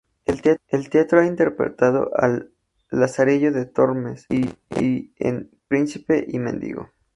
En teatro ha interpretado al "Lazarillo de Tormes" y en "Príncipe y mendigo".